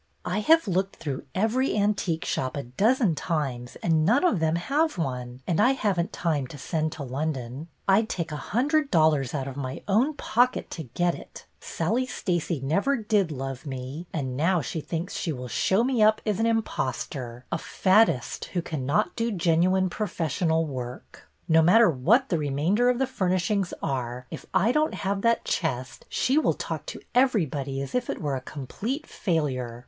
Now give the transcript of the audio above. I have looked through every antique shop a dozen times and none of them have one, and I have n't time to send to London. I 'd take a hundred dollars out of my own pocket to get it. Sallie Stacey never did love me, and now she THE UNKNOWN BIDDER 287 thinks she will show me up as an impostor, a faddist who cannot do genuine professional work. No matter what the remainder of the furnishings are, if I don't have that chest she will talk to everybody as if it were a complete failure.